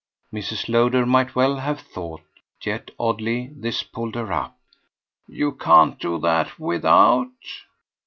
Mrs. Lowder might well have thought, yet, oddly, this pulled her up. "You can't do it without